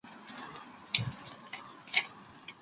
这种关系规定首先出现在塞姆勒那里。